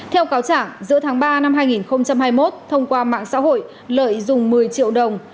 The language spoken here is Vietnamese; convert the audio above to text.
theo cáo trả giữa tháng ba năm hai nghìn hai mươi một thông qua mạng xã hội lợi dùng một mươi triệu đồng